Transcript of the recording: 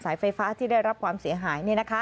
ไฟฟ้าที่ได้รับความเสียหาย